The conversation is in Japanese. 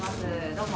どうも。